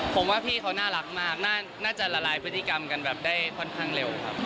ผมว่าพี่เขาน่ารักมากน่าจะละลายพฤติกรรมกันแบบได้ค่อนข้างเร็วครับ